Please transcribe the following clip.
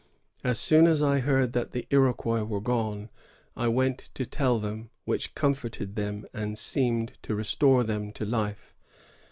As soon as I heard that the Iroquois were gone, I went to tell them, which comforted them and seemed to restore them to life.